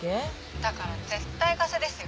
だから絶対ガセですよ。